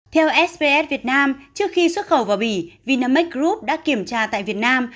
theo sps việt nam trước khi xuất khẩu vào bỉ vinamic group đã kiểm tra tại việt nam